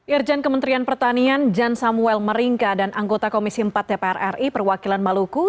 irjen kementerian pertanian jan samuel meringka dan anggota komisi empat dpr ri perwakilan maluku